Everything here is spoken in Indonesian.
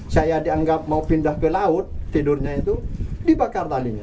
saya dianggap mau pindah ke laut tidurnya itu dibakar talinya